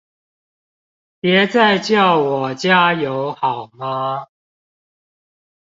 別再叫我加油好嗎？